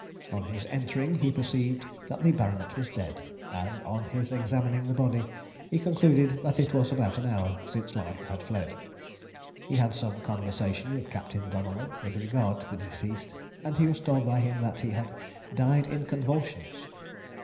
On his entering, he perceived that the baronet was dead, and on his examining the body he concluded that it was about an hour since life had fled. He had some conversation with Captain Donellan with regard to the deceased, and he was told by him that, he had "died in convulsions."